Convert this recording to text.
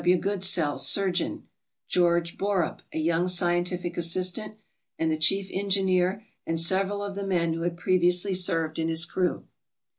W. Goodsell, surgeon, George Borup, a young scientific assistant, and the chief engineer and several of the men who had previously served in his crew.